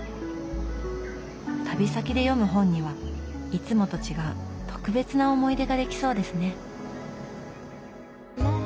旅先で読む本にはいつもと違う特別な思い出ができそうですね。